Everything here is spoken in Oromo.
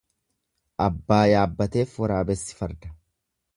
Abbaa yaabbateef waraabessi farda.